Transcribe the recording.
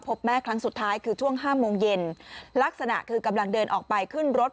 พบแม่ครั้งสุดท้ายคือช่วง๕โมงเย็นลักษณะคือกำลังเดินออกไปขึ้นรถ